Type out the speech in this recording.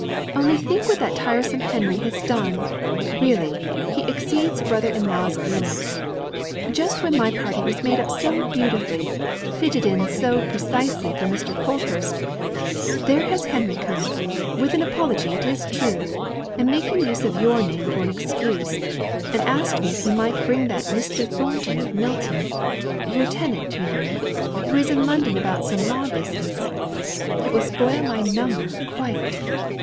But only think what that tiresome Henry has done; really, he exceeds brother in law's limits. Just when my party was made up so beautifully fitted in so precisely for Mr. Colthurst there has Henry come, with an apology it is true, and making use of your name for an excuse, and asked me if he may bring that Mr. Thornton of Milton your tenant, you know who is in London about some law business. It will spoil my number, quite."